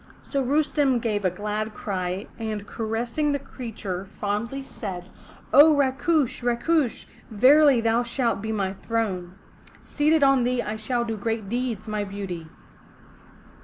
So Rustem gave a glad cry, and caressing the creature fondly, said: 0 Rakush! Rakush! verily thou shalt be my throne. Seated on thee I shall do great deeds, my beauty!"